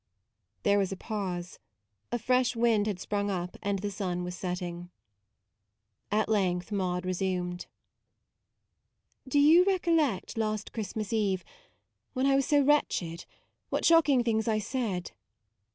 " There was a pause. A fresh wind had sprung up and the sun was setting. At length Maude resumed :" Do you recollect last Christmas Eve no MAUDE when I was so wretched, what shock ing things I said